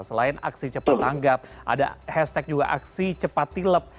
selain aksi cepat tanggap ada hashtag juga aksi cepat tilep